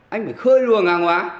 anh phải khơi lùa hàng hóa